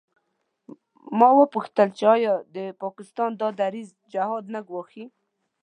ما وپوښتل چې آیا د پاکستان دا دریځ جهاد نه ګواښي.